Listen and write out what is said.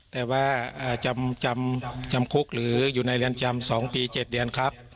แต่ว่าจำคุกหรืออยู่ในเรือนจำ๒ปี๗เดือนครับ